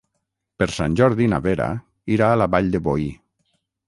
Per Sant Jordi na Vera irà a la Vall de Boí.